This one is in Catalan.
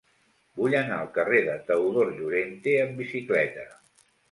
Vull anar al carrer de Teodor Llorente amb bicicleta.